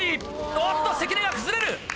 おっと関根が崩れる！